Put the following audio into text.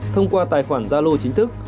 thông qua tài khoản gia lô chính thức